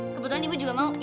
kebetulan ibu juga mau